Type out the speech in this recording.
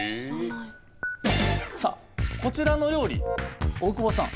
さあこちらの料理大久保さん